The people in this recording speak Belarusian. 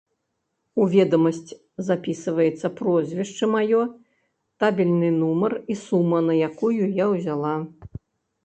У ведамасць запісваецца прозвішча маё, табельны нумар і сума, на якую я ўзяла.